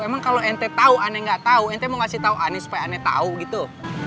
emang kalau ente tau ane nggak tau ente mau kasih tau ane supaya ane tau gitu